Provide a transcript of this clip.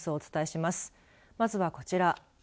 まずはこちら。